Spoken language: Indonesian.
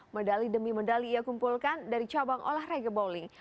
medali demi medali ia kumpulkan dari cabang olahraga bowling